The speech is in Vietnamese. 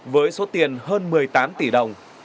với số tiền hơn một mươi tám tỷ đồng